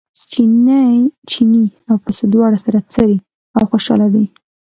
چیني او پسه دواړه سره څري او خوشاله دي.